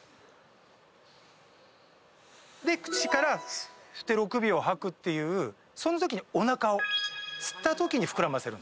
で口からふーって６秒吐くっていうそのときにおなかを吸ったときに膨らませるんです。